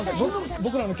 僕らの曲。